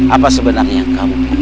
apa sebenarnya yang kamu